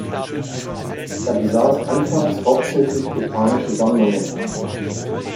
Es besaß anfangs hauptsächlich botanische Sammlungen.